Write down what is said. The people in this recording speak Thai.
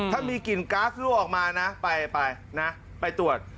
ถ้ามีกลิ่นก๊าซรั่วออกมานะไปนะไปตรวจ